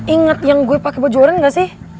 ingat yang gue pake baju orang gak sih